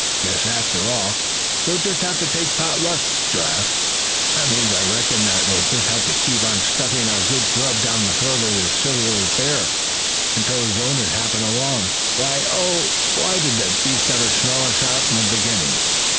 Guess after all we'll just have to take pot luck, Giraffe." "That means, I reckon, that we'll just have to keep on stuffing our good grub down the throat of this silly old bear, until his owners happen along. Tough luck, Thad! Why, oh! why did the beast ever smell us out in the beginning?"